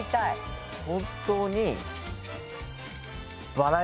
本当に。